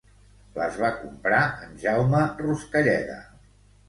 Les va comprar en Jaume Ruscalleda.